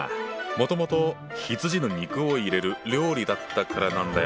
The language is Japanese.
もともと羊の肉を入れる料理だったからなんだよ。